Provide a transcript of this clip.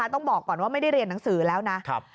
ต้องบอกก่อนว่าไม่ได้เรียนหนังสือแล้วนะ